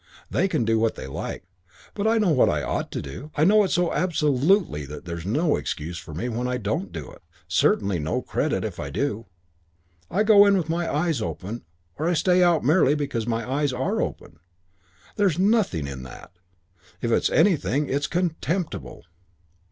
They can do what they like. But I know what I ought to do. I know it so absolutely that there's no excuse for me when I don't do it, certainly no credit if I do. I go in with my eyes open or I stay out merely because my eyes are open. There's nothing in that. If it's anything it's contemptible."